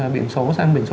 biển số sang biển số ba